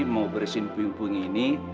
mau beresin ping ping ini